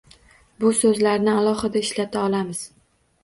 Bu soʻzlarni alohida ishlata olamiz